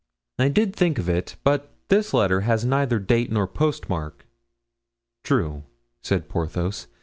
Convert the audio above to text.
"I did think of it, but this letter has neither date nor postmark." "True," said Porthos.